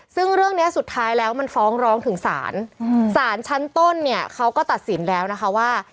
ซึ่งเรื่องนี้สุดท้ายแล้วมันฟ้องร้องถึงศาลศาลชั้นต้นเนี่ยเขาก็ตัดสินแล้วนะคะว่า